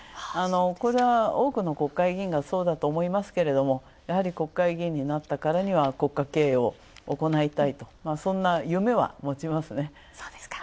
これは多くの国会議員がそうだと思うんですけれどもやはり国会議員になったからには国家経営を行いたいと、そんな夢は持ちますね。